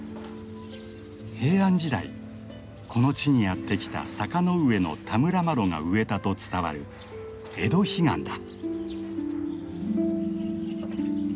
平安時代この地にやって来た坂上田村麻呂が植えたと伝わるエドヒガンだ。